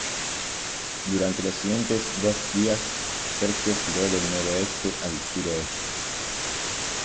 Durante los siguientes dos días, Sergio giró del noroeste al suroeste.